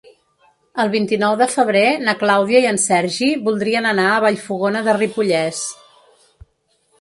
El vint-i-nou de febrer na Clàudia i en Sergi voldrien anar a Vallfogona de Ripollès.